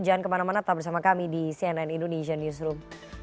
jangan kemana mana tetap bersama kami di cnn indonesia newsroom